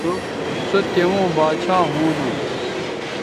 سو توؤں باچھا ھونو